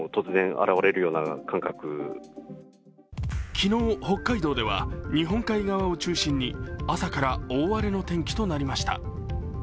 昨日、北海道では日本海側を中心に朝から大荒れの天気となりました。